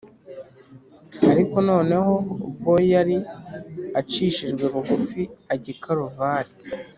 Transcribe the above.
ariko noneho ubwo yari acishijwe bugufi ajya i kaluvari